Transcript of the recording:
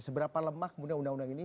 seberapa lemah kemudian undang undang ini